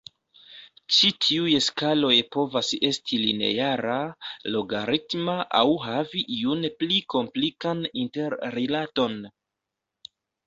Ĉi tiuj skaloj povas esti lineara, logaritma aŭ havi iun pli komplikan interrilaton.